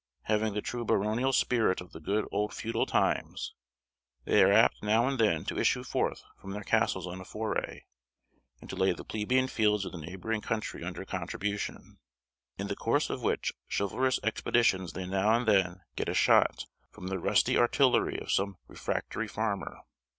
Having the true baronial spirit of the good old feudal times, they are apt now and then to issue forth from their castles on a foray, and to lay the plebeian fields of the neighbouring country under contribution; in the course of which chivalrous expeditions they now and then get a shot from the rusty artillery of some refractory farmer.